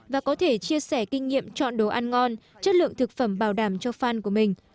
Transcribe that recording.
và có thể chia sẻ kinh nghiệm chọn đồ ăn ngon chất lượng thực phẩm bảo đảm cho fan của mình